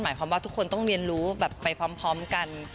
หมายความว่าทุกคนต้องเรียนรู้แบบไปพร้อมกัน